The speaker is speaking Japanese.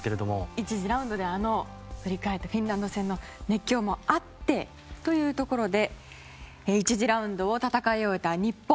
１次ラウンドで振り返ったフィンランド戦の熱狂もあってというところで１次ラウンドを戦い終えた日本。